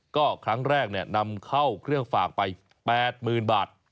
ก็ครั้งแรกนำเข้าเครื่องฝากไป๘๐๐๐บาท